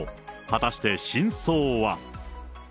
果たして真相は。